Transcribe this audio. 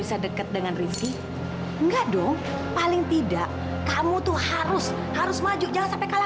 sampai jumpa di video selanjutnya